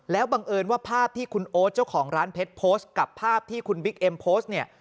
บังเอิญว่าภาพที่คุณโอ๊ตเจ้าของร้านเพชรโพสต์กับภาพที่คุณบิ๊กเอ็มโพสต์เนี่ย